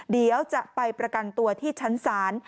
เดี๋ยวจะไปประกันตัวที่ชั้นศาล